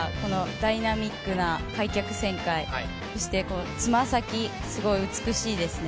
ダイナミックな開脚旋回、そして爪先、すごい美しいですね。